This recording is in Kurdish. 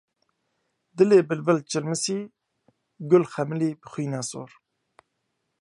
Dilê bilbil çilmisî, gul xemilî bi xwînа sor.